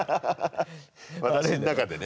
私ん中でね。